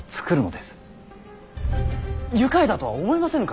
愉快だとは思いませぬか。